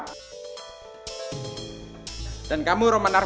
tidak ada yang menjaya